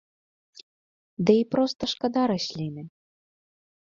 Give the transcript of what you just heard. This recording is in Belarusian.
Ды і проста шкада расліны.